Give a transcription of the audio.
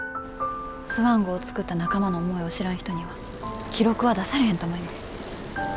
スワン号作った仲間の思いを知らん人には記録は出されへんと思います。